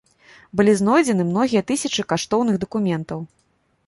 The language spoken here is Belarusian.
Былі знойдзены многія тысячы каштоўных дакументаў.